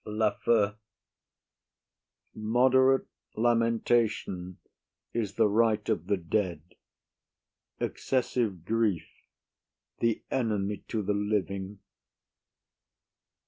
LAFEW. Moderate lamentation is the right of the dead; excessive grief the enemy to the living.